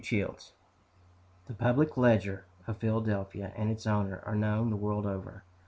CHILDS. The "Public Ledger" of Philadelphia, and its owner, are known the world over.